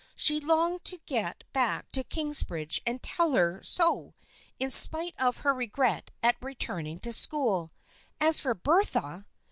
She longed to get THE FKIENDSHIP OF ANNE 213 back to Kingsbridge and tell her so, in spite of her regret at returning to school. As for Bertha